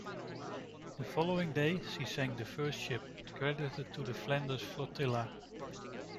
The following day, she sank the first ship credited to the Flanders Flotilla.